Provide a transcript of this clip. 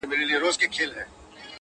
شپې ته راغله انګولا د بلاګانو-